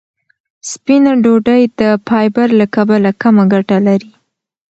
سپینه ډوډۍ د فایبر له کبله کمه ګټه لري.